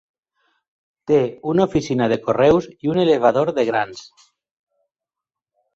Té una oficina de correus i un elevador de grans.